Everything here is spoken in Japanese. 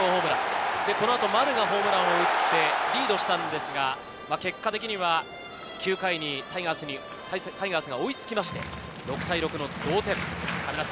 丸がこの後ホームランを打ってリードしたんですが、結果的には９回にタイガースが追いつきまして６対６、同点。